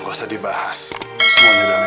aku jadi ingat